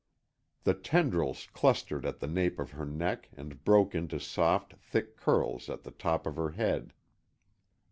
The tendrils clustered at the nape of her neck and broke into soft, thick curls at the top of her head.